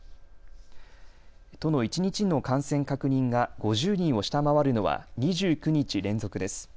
都の一日の感染確認が５０人を下回るのは２９日連続です。